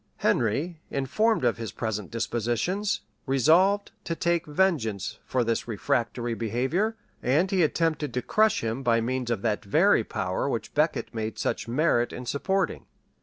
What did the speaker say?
Henry, informed of his present dispositions, resolved to take vengeance for this refractory behavior; and he attempted to crush him by means of that very power which Becket made such merit in supporting.